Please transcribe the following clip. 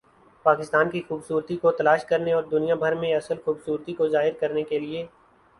پاکستان کی خوبصورتی کو تلاش کرنے اور دنیا بھر میں اصل خوبصورتی کو ظاہر کرنے کے لئے